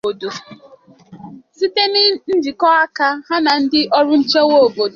site na njikọaka ha na ndị ọrụ nchekwa obodo